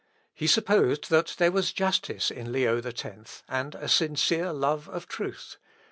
He supposed that there was justice in Leo X, and a sincere love of truth.